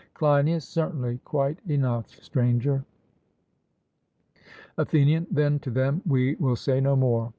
CLEINIAS: Certainly, quite enough, Stranger. ATHENIAN: Then to them we will say no more.